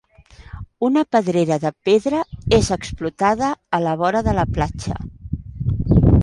Una pedrera de pedra és explotada a la vora de la platja.